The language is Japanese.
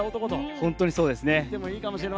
本当にそうですね。